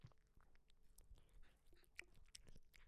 Bu — oddiy mantiqiy haqiqat.